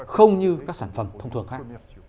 không như các sản phẩm thông thường khác